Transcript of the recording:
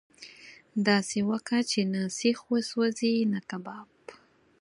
داسي وکه چې نه سيخ وسوځي نه کباب.